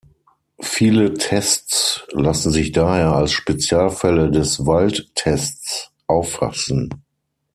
Viele Tests lassen sich daher als Spezialfälle des Wald-Tests auffassen.